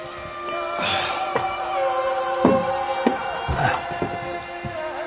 ああ。